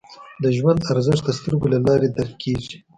د ژوند ارزښت د سترګو له لارې درک کېږي